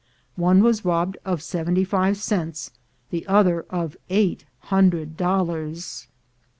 One was robbed of seventy five cents, the other of eight hundred dollars.